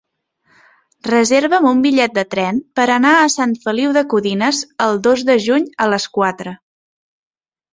Reserva'm un bitllet de tren per anar a Sant Feliu de Codines el dos de juny a les quatre.